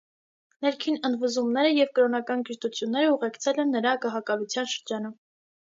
Ներքին ընդվզումները և կրոնական գժտությունները ուղեկցել են նրա գահակալության շրջանը։